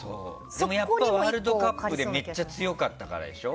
やっぱりワールドカップでめっちゃ強かったからでしょ。